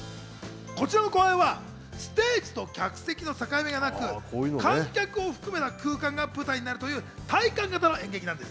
こちらの公演はステージと客席の境目がなく、観客を含めた空間が舞台になるという体感型の演劇なんです。